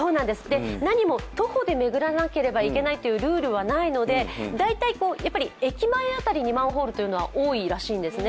何も徒歩で巡らなくてはいけなというルールがあるわけではないので大体駅前辺りにマンホールは多いらしいんですね。